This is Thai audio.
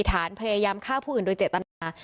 ฐานพยายามฆ่าผู้อื่นโดยเจตนา